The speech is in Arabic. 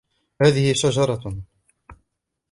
هذه شجرة.